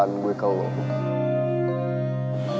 dan beri informasi